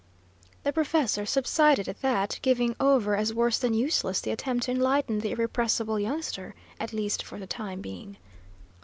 The professor subsided at that, giving over as worse than useless the attempt to enlighten the irrepressible youngster, at least for the time being.